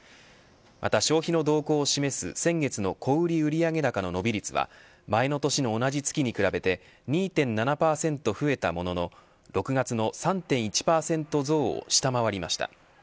また消費の動向を示す先月の小売売上高の伸び率は前の年の同じ月に比べて２．７％増えたものの６月の３．１％増を下回りました。